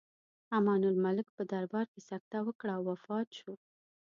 امان الملک په دربار کې سکته وکړه او وفات شو.